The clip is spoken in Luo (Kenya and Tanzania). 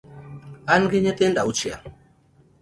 An gi nyithindo auchiel